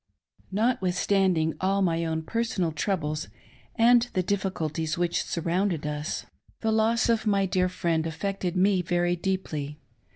NOTWITHSTANDING all my own personal troubles and the difficulties which surrounded us, the loss of my dear friend affected me very deeply.